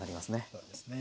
そうですね。